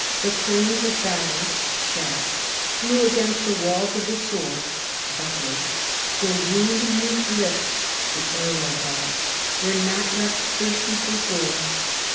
The cranes of battle [shafts] flew against the walls of the sword [bucklers], the wound mew's lips [the arrows' barbs] were not left thirsty for gore.